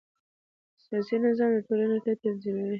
سیاسي نظام د ټولنې اړتیاوې تنظیموي